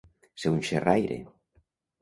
Ser un xerraire.